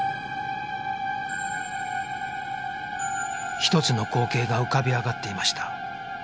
１つの光景が浮かび上がっていました